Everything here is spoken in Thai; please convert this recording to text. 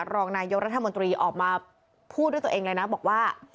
รองนายกรัฐมนตรีออกมาพูดด้วยตัวเองเลยนะบอกว่า